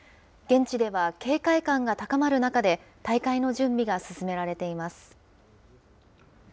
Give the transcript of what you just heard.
現地では警戒感が高まる中で、大会の準備が進められています。